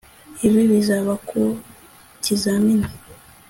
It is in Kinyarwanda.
Ibi bizaba ku kizamini